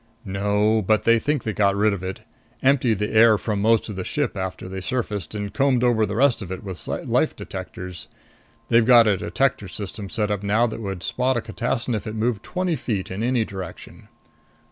"No. But they think they got rid of it. Emptied the air from most of the ship after they surfaced and combed over the rest of it with life detectors. They've got a detector system set up now that would spot a catassin if it moved twenty feet in any direction."